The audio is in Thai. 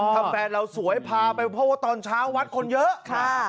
ถ้าแฟนเราสวยพาไปเพราะว่าตอนเช้าวัดคนเยอะ